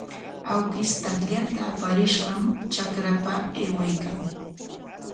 Awkish takllanta aparishqam trakrapa aywaykan.